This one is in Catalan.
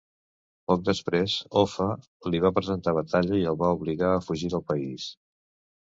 Poc després Offa li va presentar batalla i el va obligar a fugir del país.